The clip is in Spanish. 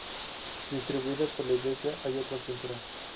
Distribuidas por la iglesia hay otras pinturas.